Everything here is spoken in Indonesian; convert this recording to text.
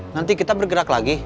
nanti kita bergerak lagi